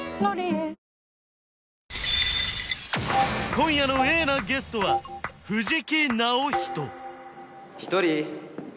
今夜のＡなゲストは１人？